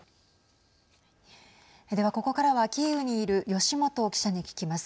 では、ここからはキーウにいる吉元記者に聞きます。